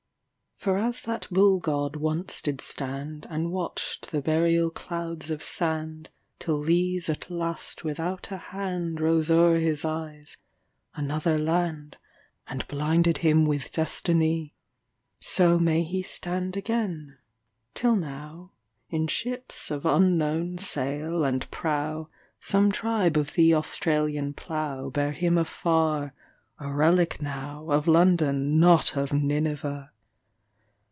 For as that Bull god once did standAnd watched the burial clouds of sand, Till these at last without a handRose o'er his eyes, another land, And blinded him with destiny:—So may he stand again; till now, In ships of unknown sail and prow, Some tribe of the Australian ploughBear him afar,—a relic nowOf London, not of Nineveh!